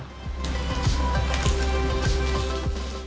christine mengaku banyak untuk mendapatkan dapur